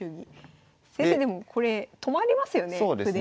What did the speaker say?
先生でもこれ止まりますよね歩で。